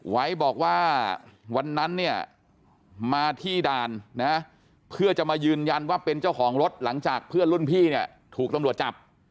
ไว้บอกว่าวันนั้นเนี่ยมาที่ด่านนะเพื่อจะมายืนยันว่าเป็นเจ้าของรถหลังจากเพื่อนรุ่นพี่เนี่ยถูกตำรวจจับ